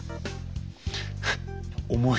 重い。